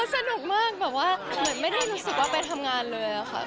สนุกมากแบบว่าเหมือนไม่ได้รู้สึกว่าไปทำงานเลยค่ะ